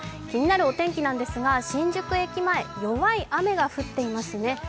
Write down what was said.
気になるお天気ですが、新宿駅前、弱い雨が降っていますね。